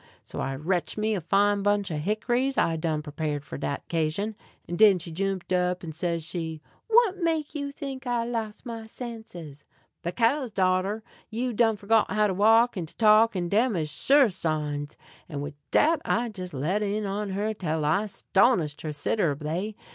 So I retch me a fine bunch of hick'ries I done prepared for dat 'casion. And den she jumped up, and says she: "What make you think I loss my senses?" "Bekase, darter, you done forgot how to walk and to talk, and dem is sure signs." And wid dat I jes' let in on her tell I 'stonished her 'siderably.